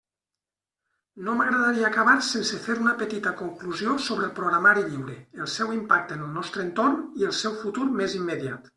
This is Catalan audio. No m'agradaria acabar sense fer una petita conclusió sobre el programari lliure, el seu impacte en el nostre entorn, i el seu futur més immediat.